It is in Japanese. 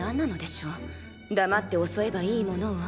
黙って襲えばいいものを。